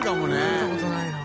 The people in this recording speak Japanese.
食べたことないな。